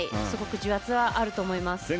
すごく重圧はあると思います。